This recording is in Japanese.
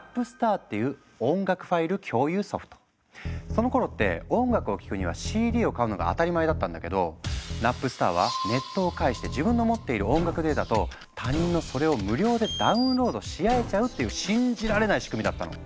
そのころって音楽を聴くにはＣＤを買うのが当たり前だったんだけどナップスターはネットを介して自分の持っている音楽データと他人のそれを無料でダウンロードし合えちゃうっていう信じられない仕組みだったの！